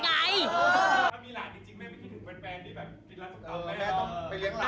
ถ้ามีหลานจริงแม่ไม่คิดถึงแวนดิแบบ